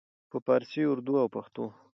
په پارسي، اردو او پښتو